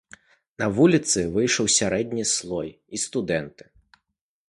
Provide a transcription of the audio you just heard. На вуліцы выйшаў сярэдні слой і студэнты.